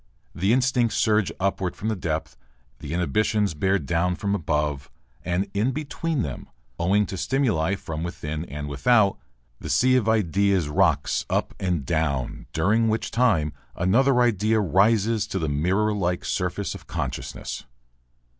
The instincts surge upward from the depth, the inhibitions bear down from above, and between them owing to stimuli from within and without the sea of ideas rocks up and down, during which time another idea rises to the mirror like surface of consciousness.